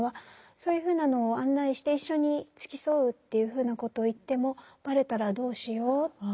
そういうふうなのを案内して一緒に付き添うというふうなことを言ってもバレたらどうしようって。